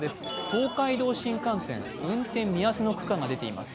東海道新幹線、運転見合わせの区間が出ています。